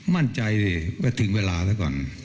มั่นใจที่ก็ถึงเวลาแล้วก่อน